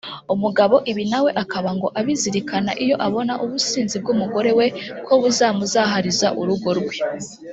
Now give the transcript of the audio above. umugabo ibi nawe akaba ngo abizirikana iyo abona ubusinzi bw’umugore we ko buzamuzahariza urugo rwe